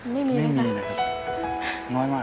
ไม่มีนะครับ